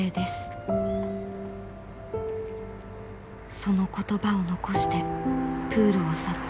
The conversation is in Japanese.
その言葉を残してプールを去った。